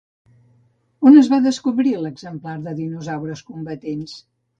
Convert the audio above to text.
On es va descobrir l'exemplar de «dinosaures combatents»?